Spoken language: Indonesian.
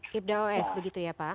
sos begitu ya pak